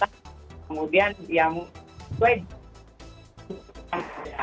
kemudian yang kedua